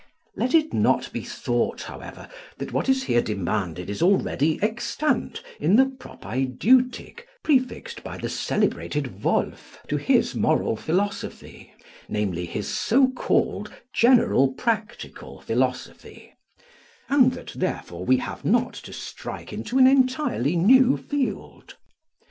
Let it not be thought, however, that what is here demanded is already extant in the propaedeutic prefixed by the celebrated Wolf to his moral philosophy, namely, his so called general practical philosophy, and that, therefore, we have not to strike into an entirely new field.